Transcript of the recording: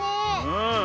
うん。